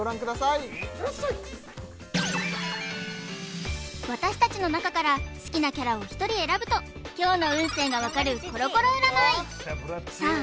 ・いってらっしゃい私たちの中から好きなキャラをひとり選ぶと今日の運勢が分かるコロコロ占いさあ